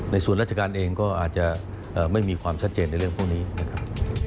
ส่วนราชการเองก็อาจจะไม่มีความชัดเจนในเรื่องพวกนี้นะครับ